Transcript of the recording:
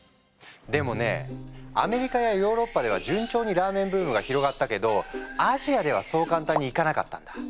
でもねアメリカやヨーロッパでは順調にラーメンブームが広がったけどアジアではそう簡単にいかなかったんだ。